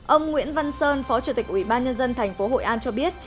ông nguyễn văn sơn phó chủ tịch ủy ban nhân dân tp hội an cho biết